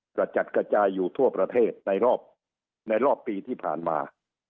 กระจัดกระจายอยู่ทั่วประเทศในรอบในรอบปีที่ผ่านมา